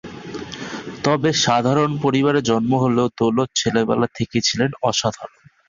তবে সাধারণ পরিবারে জন্ম হলেও দৌলত ছেলেবেলা থেকেই ছিলেন অসাধারণ।